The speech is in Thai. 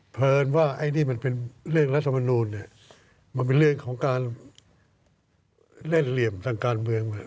เผลอว่าไอ้นี่เป็นเรื่องรัฐมนุษย์มั้งมีเรื่องของการเล่นเหลี่ยมทางการเมือง